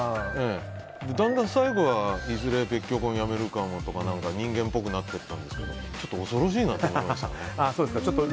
だんだん最後はいずれ別居婚をやめるかもとか人間ぽくなってったんですけどちょっと恐ろしいなと思いましたね。